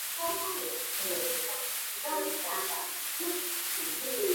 唐巴西利乌是巴西巴伊亚州的一个市镇。